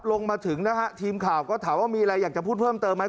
ลงมาถึงนะฮะทีมข่าวก็ถามว่ามีอะไรอยากจะพูดเพิ่มเติมไหม